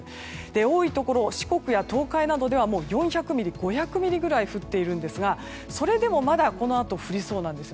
多いところ、四国や東海などでは４００ミリ、５００ミリくらい降っているんですがそれでも、まだこのあと降りそうなんです。